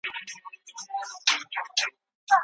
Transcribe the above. ور په یاد یې د دوږخ کړل عذابونه